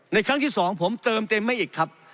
ครั้งที่๒ผมเติมเต็มให้อีกครับ